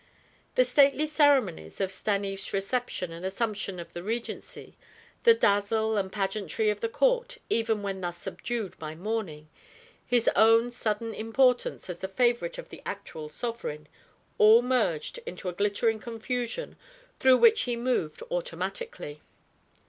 The stately ceremonies of Stanief's reception and assumption of the regency; the dazzle and pageantry of the court even when thus subdued by mourning; his own sudden importance as the favorite of the actual sovereign, all merged into a glittering confusion through which he moved automatically.